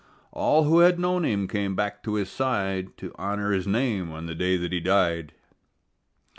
All who had known him came back to his side To honor his name on the day that he died.